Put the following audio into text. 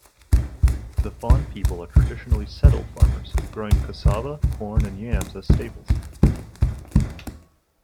The Fon people are traditionally settled farmers, growing cassava, corn and yams as staples.